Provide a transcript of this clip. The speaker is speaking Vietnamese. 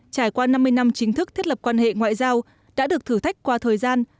trải qua năm mươi năm chính thức thiết lập quan hệ ngoại giao đã được thử thách qua thời gian